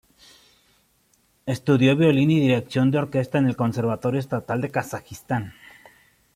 Estudió violín y dirección de orquesta en el Conservatorio Estatal de Kazajistán.